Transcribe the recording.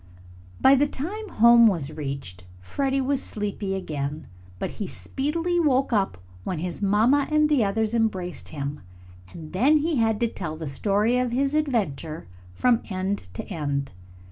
By the time home was reached, Freddie was sleepy again. But he speedily woke up when his mamma and the others embraced him, and then he had to tell the story of his adventure from end to end.